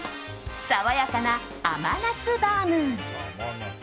爽やかな甘夏バウム。